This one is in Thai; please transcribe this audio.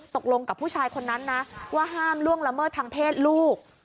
ตกลงกับผู้ชายคนนั้นนะว่าห้ามล่วงละเมิดทางเพศลูก